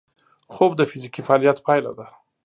خوب د فزیکي فعالیت پایله ده